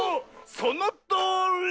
そのとおり！